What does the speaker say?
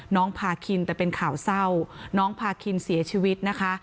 น้องพาคินแต่เป็นข่าวเศร้าน้องพาคินเสียชีวิตนะคะ